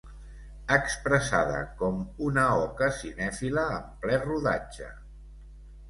Expressada com una oca cinèfila en ple rodatge.